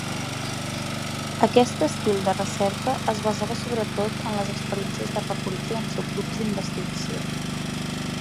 Aquest estil de recerca es basava sobretot en les experiències de reporter en subgrups d'investigació.